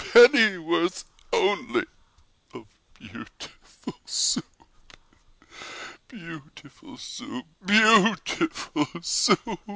Pennyworth only of beautiful Soup? Beau ootiful Soo oop! Beau ootiful Soo oop!